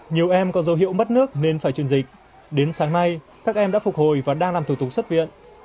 nhiều em có dấu hiệu mất nước nên phải truyền dịch đến sáng nay các em đã phục hồi và đang làm thủ tục xuất viện